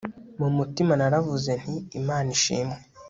mu mutima naravuze nti Imana ishimwe